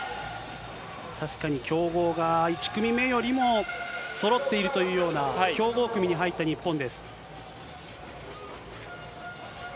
確かに強豪が１組目よりもそろっているというような、強豪組に入った日本です。